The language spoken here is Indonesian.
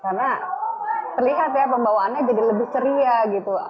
karena terlihat ya pembawaannya jadi lebih ceria gitu